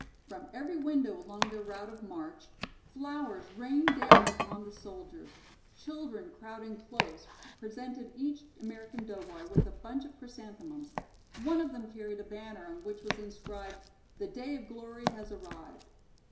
From every window along their route of march flowers rained down upon the soldiers, children crowding close presented each American doughboy with a bunch of chrysanthemums; one of them carried a banner on which was inscribed, "The Day of Glory has Arrived."